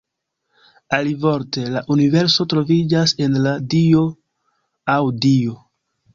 Alivorte, la universo troviĝas "en" la dio aŭ Dio.